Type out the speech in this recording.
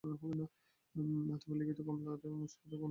তাহাতে লিখিল, কমলা রমেশবাবুর কোনো চিঠিপত্র না পাইয়া অত্যন্ত চিন্তিত আছে।